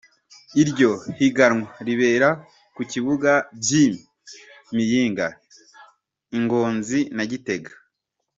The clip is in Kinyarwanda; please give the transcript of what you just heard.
Iryo higanwa ribera ku bibuga vy'i Muyinga, i Ngozi na Gitega.